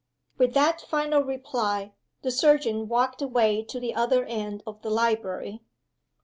With that final reply the surgeon walked away to the other end of the library.